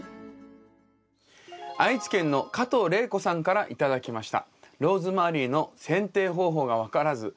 愛知県の加藤玲子さんから頂きました。